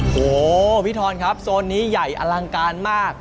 โอ้โหพี่ทอนครับโซนนี้ใหญ่อลังการมาก